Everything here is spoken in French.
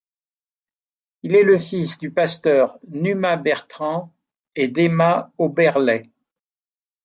Il est le fils du pasteur Numa Bertrand et d'Émma Auberlet.